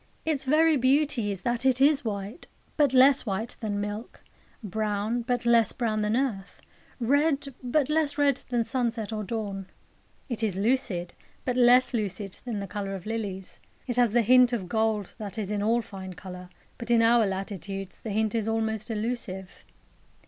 Its very beauty is that it is white, but less white than milk; brown, but less brown than earth; red, but less red than sunset or dawn. It is lucid, but less lucid than the colour of lilies. It has the hint of gold that is in all fine colour; but in our latitudes the hint is almost elusive.